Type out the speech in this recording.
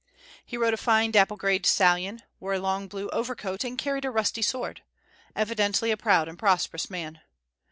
He rode a fine dappled gray stallion, wore a long blue overcoat, and carried a rusty sword, evidently a proud and prosperous man.